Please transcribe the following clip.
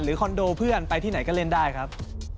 คอนโดเพื่อนไปที่ไหนก็เล่นได้ครับ